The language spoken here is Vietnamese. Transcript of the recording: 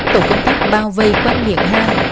tổ công tác bao vây quãng miệng hang